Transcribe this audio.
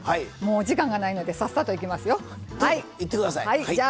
時間がないのでさっさといきますよ。